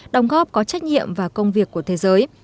đồng góp có trách nhiệm và công việc của thế giới